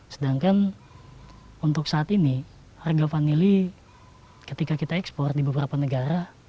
sedangkan untuk saat ini harga vanili ketika kita ekspor di beberapa negara